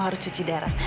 kamu harus cuci darah